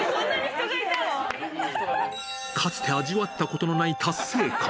かつて味わったことのない達成感。